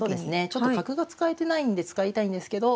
ちょっと角が使えてないんで使いたいんですけど